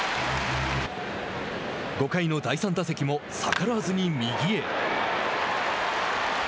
５回の第３打席も逆らわずに右へ。